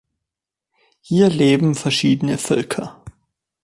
Hier leben verschiedene Völker.